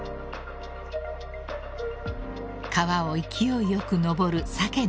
［川を勢いよく上るサケの群れ］